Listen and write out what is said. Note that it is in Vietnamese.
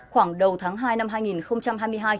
khoảng đầu tháng hai năm hai nghìn hai mươi hai